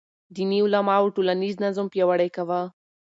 دیني علماو ټولنیز نظم پیاوړی کاوه.